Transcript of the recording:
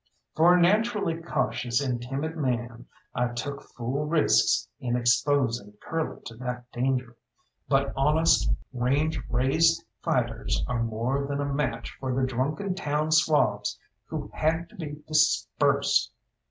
For a naturally cautious and timid man I took fool risks in exposing Curly to that danger; but honest range raised fighters are more than a match for the drunken town swabs who had to be dispersed.